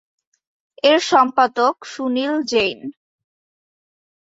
এর সম্পাদক সুনীল জেইন।